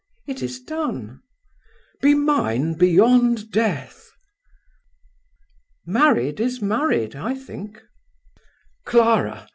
"It is done." "Be mine beyond death?" "Married is married, I think." "Clara!